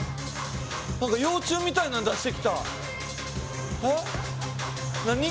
何か幼虫みたいなん出してきたえっ何？